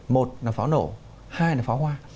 một là pháo nổ hai là pháo hoa